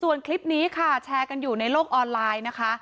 ส่วนคลิปนี้ค่ะแชร์กันอยู่ในโลกออนไลน์นะคะ